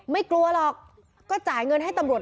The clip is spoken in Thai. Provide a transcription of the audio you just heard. ไม่กลัวหรอกก็จ่ายเงินให้ตำรวจ